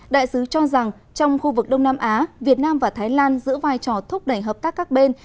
đại sứ cho rằng trong khu vực đông nam á việt nam và thái lan giữ vai trò thúc đẩy hợp tác các bên